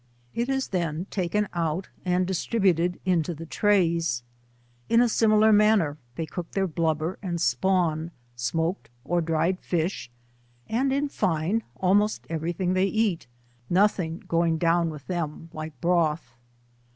It is then taken out and distributed in the trays. In a similar manner they cook their blubber and spawn, smoked or dried fish, and in fine, almost every thing they eat, no thing going down with them like broth.